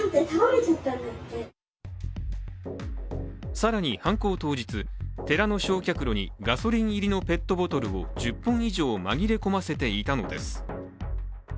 更に、犯行当日、寺の焼却炉にガソリン入りのペットボトルを１０本以上、紛れ込ませていたのです。